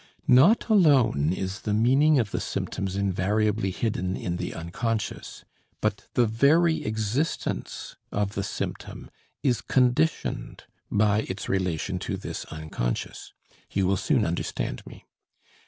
Not alone is the meaning of the symptoms invariably hidden in the unconscious; but the very existence of the symptom is conditioned by its relation to this unconscious. You will soon understand me.